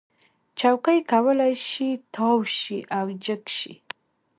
چوکۍ کولی شي تاو شي او جګ شي.